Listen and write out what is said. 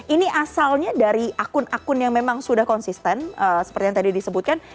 ini asalnya dari akun akun yang memang sudah konsisten seperti yang tadi disebutkan